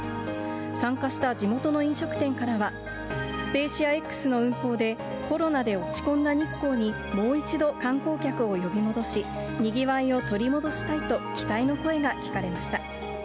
参加した地元の飲食店からは、スペーシアＸの運行で、コロナで落ち込んだ日光に、もう一度観光客を呼び戻し、にぎわいを取り戻したいと期待の声が聞かれました。